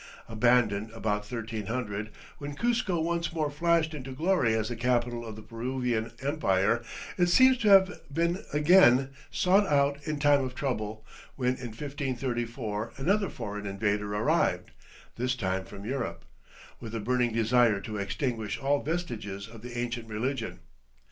Abandoned, about 1300, when Cuzco once more flashed into glory as the capital of the Peruvian Empire, it seems to have been again sought out in time of trouble, when in 1534 another foreign invader arrived this time from Europe with a burning desire to extinguish all vestiges of the ancient religion.